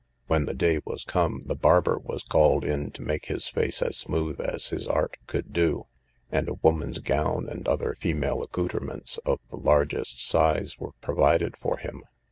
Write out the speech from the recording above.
When the day was come, the barber was called in to make his face as smooth as his art could do, and a woman's gown and other female accoutrements of the largest size were provided for him.